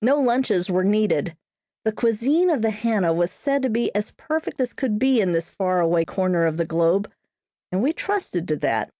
No lunches were needed. The cuisine of the Hannah was said to be as perfect as could be in this far away corner of the globe, and we trusted to that.